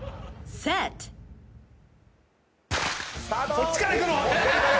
そっちから行くの⁉